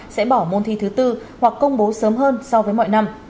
sẽ bỏ môn thi thứ tư hoặc công bố sớm hơn so với mọi năm